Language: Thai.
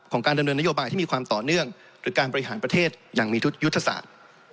การดำเนินนโยบายที่มีความต่อเนื่องหรือการบริหารประเทศอย่างมียุทธศาสตร์